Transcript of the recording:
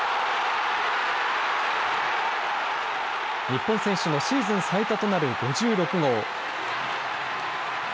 日本選手のシーズン最多となる５６号。